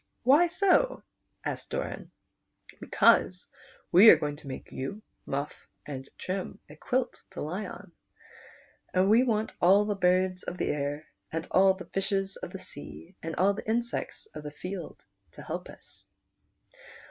"Why so .''" asked Doran. Because we are going to make you, Muff, and Trim a quilt to lie on, and we want all the birds of the air, all the fishes of the sea, and all the insects of the field to help us."